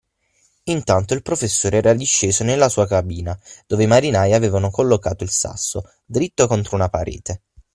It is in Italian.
Intanto il professore era disceso nella sua cabina, dove i marinai avevano collocato il sasso, dritto contro una parete.